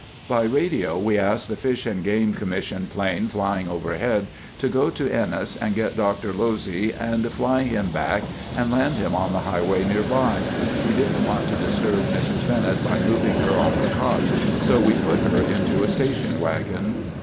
"By radio we asked the Fish and Game Commission plane flying overhead to go to Ennis and get Dr. Losee and fly him back, and land him on the highway nearby. We didn't want to disturb Mrs. Bennett by moving her off the cot, so we put her into a station wagon.